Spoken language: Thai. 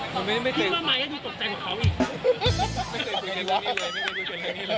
พี่มามายก็ดูตกใจกับเขาอีก